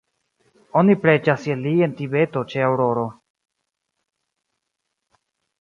Oni preĝas je li en Tibeto ĉe aŭroro.